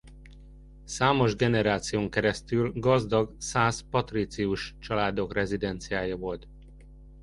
Számos generáción keresztül gazdag szász patricius-családok rezidenciája volt.